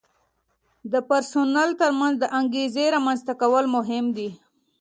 د پرسونل ترمنځ د انګیزې رامنځته کول مهم دي.